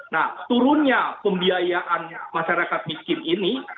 nah turunnya pembiayaan masyarakat miskin ini